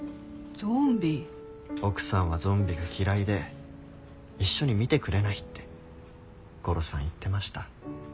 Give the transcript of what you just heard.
奥さんはゾンビが嫌いで一緒に見てくれないってゴロさん言ってました。